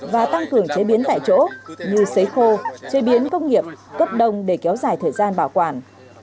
và tăng cường chế biến tại chỗ như xấy khô chế biến công nghiệp cấp đông để kéo dài thời gian bảo quản